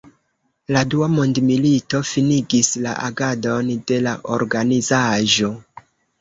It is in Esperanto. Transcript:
La Dua Mondmilito finigis la agadon de la organizaĵo.